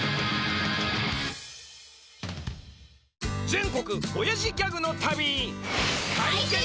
全国おやじギャグの旅！